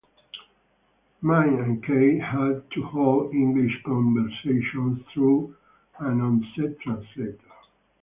Mie and Kei had to hold English conversations through an on-set translator.